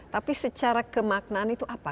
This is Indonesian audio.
tapi secara kemaknaan itu apa